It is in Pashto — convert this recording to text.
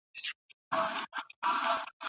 زما و ستا ترمنځ څه ډوبه ګردله ده